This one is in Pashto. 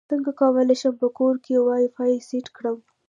څنګه کولی شم په کور کې وائی فای سیټ کړم